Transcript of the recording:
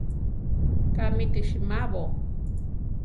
Kámi ti simabo?